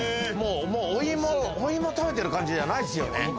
もう、お芋を食べている感じじゃないですよね。